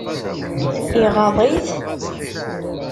Iɣaḍ-it?